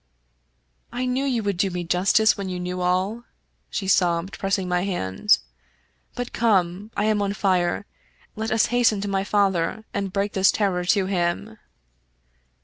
" I knew you would do me justice when you knew all," she sobbed, pressing my hand ;" but come. I am on fire. Let us hasten to my father, and break this terror to him."